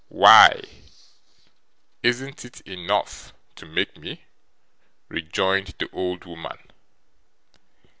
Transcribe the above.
'Why, isn't it enough to make me?' rejoined the old woman.